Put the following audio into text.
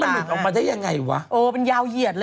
นั่นสิมาจากใครเริ่มไหล